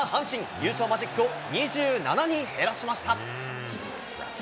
優勝マジックを２７に減らしました。